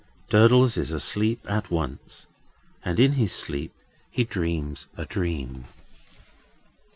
Durdles is asleep at once; and in his sleep he dreams a dream.